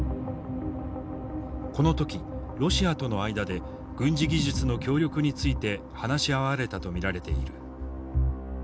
この時ロシアとの間で軍事技術の協力について話し合われたと見られている。